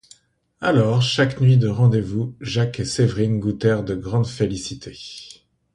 Alors, chaque nuit de rendez-vous, Jacques et Séverine goûtèrent de grandes félicités.